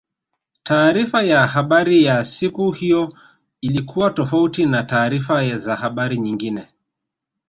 taarifa ya habari ya siku hiyo ilikuwa tofauti na taarifa za habari nyingine